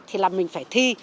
thì là mình phải thi